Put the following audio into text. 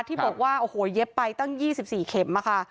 ที่บอกว่าโอ้โหเย็บไปตั้งยี่สิบสี่เข็มอะค่ะ